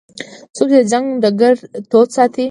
څوک چې د جنګ ډګر تود ساتي.